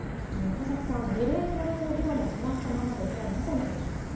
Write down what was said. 田崎さん、２類、５類の議論も止まったままで、これはなぜなんでしょうか？